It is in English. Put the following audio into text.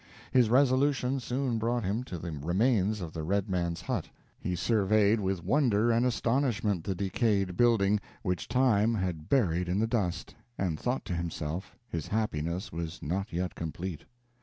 His resolution soon brought him to the remains of the red man's hut: he surveyed with wonder and astonishment the decayed building, which time had buried in the dust, and thought to himself, his happiness was not yet complete.